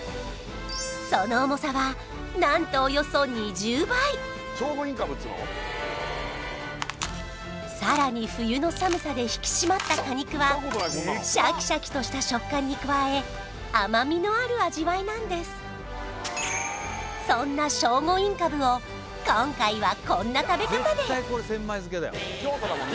その重さはなんとおよそ２０倍さらに冬の寒さで引き締まった果肉はシャキシャキとした食感に加え甘みのある味わいなんですそんなぜひホントにきたね